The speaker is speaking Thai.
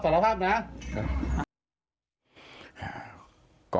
ยอมรับสารภาพนะครับ